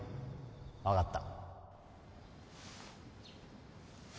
分かった